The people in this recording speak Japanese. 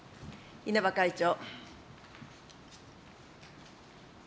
稲葉会長。